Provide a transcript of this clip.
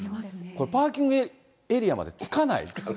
パーキングエリアまで着かない。